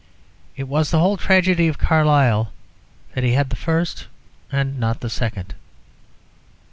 It was the whole tragedy of Carlyle that he had the first and not the second.